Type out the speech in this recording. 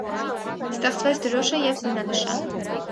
Ստեղծվեց դրոշը և զինանշանը։